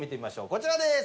こちらです。